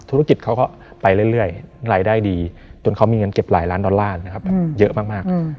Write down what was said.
ธุรกิจเขาก็ไปเรื่อยรายได้ดีจนเขามีเงินเก็บหลายล้านดอลลาร์นะครับแบบเยอะมาก